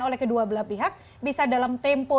oleh kedua belah pihak bisa dalam tempo